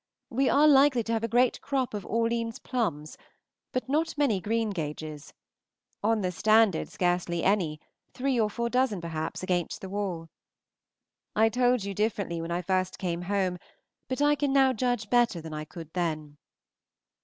We are likely to have a great crop of Orleans plums, but not many greengages on the standard scarcely any, three or four dozen, perhaps, against the wall. I believe I told you differently when I first came home, but I can now judge better than I could then.